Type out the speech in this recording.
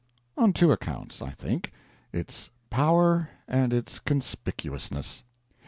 On two accounts, I think: its Power and its Conspicuousness.